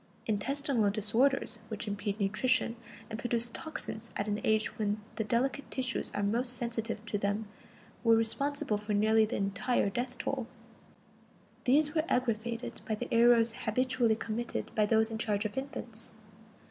Intestinal disorders which impede nutrition, and produce toxins at an age when the delicate tissues are most sensitive to them, were responsible for nearly the entire death roll. These were aggravated by the errors habitually committed by those in charge of infants.